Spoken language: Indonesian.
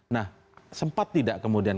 nah sempat tidak kemudian